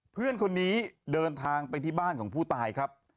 เพื่อนคนนี้เดินทางไปที่บ้านของผู้ตายครับ